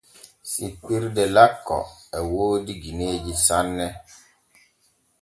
Sippirde lakko e woodi gineeji sanne.